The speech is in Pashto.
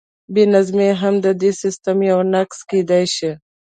بې نظمي هم د دې سیسټم یو نقص کیدی شي.